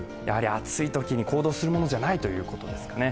暑いときに行動するものじゃないということですかね。